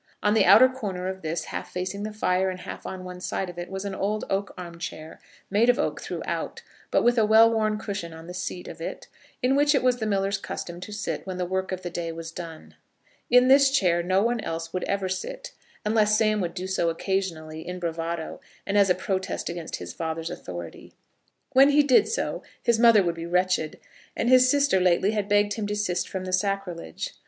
On the outer corner of this, half facing the fire, and half on one side of it, was an old oak arm chair, made of oak throughout, but with a well worn cushion on the seat of it, in which it was the miller's custom to sit when the work of the day was done. In this chair no one else would ever sit, unless Sam would do so occasionally, in bravado, and as a protest against his father's authority. When he did so his mother would be wretched, and his sister lately had begged him to desist from the sacrilege.